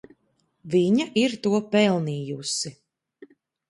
Viņa ir to pelnījusi.